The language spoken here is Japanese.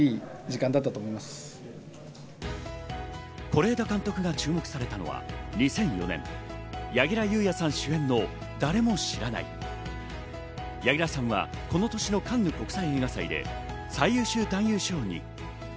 是枝監督が注目されたのは２００４年、柳楽優弥さん主演の『誰も知らない』。柳楽さんはこの年のカンヌ国際映画祭で最優秀男優賞に。